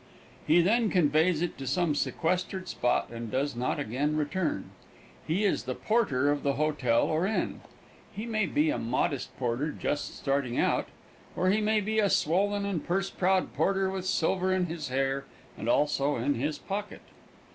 He then conveys it to some sequestered spot and does not again return. He is the porter of the hotel or inn. He may be a modest porter just starting out, or he may be a swollen and purse proud porter with silver in his hair and also in his pocket.